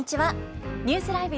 ニュースＬＩＶＥ！